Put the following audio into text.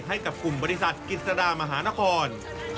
ให้กับกลุ่มบริษัทกิจสดามหานคร